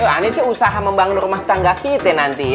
ani sih usaha membangun rumah tangga kita nanti ya